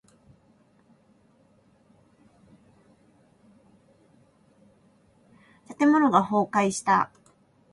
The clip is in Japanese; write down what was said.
建物が倒壊した。